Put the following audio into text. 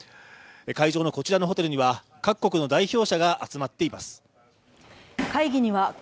会場のこちらのホテルには各国の代表者が集まっています。